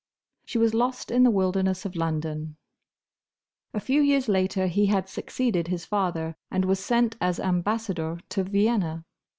She was lost in the wilderness of London. A few years later he had succeeded his father, and was sent as Ambassador to Vienna.